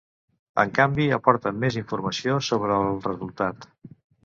En canvi, aporta més informació sobre el resultat.